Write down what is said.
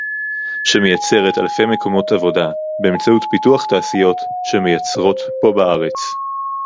שמייצרת אלפי מקומות עבודה באמצעות פיתוח תעשיות שמייצרות פה בארץ